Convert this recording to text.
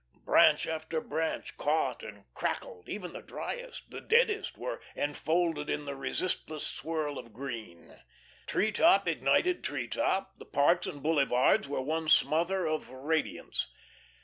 Branch after branch caught and crackled; even the dryest, the deadest, were enfolded in the resistless swirl of green. Tree top ignited tree top; the parks and boulevards were one smother of radiance.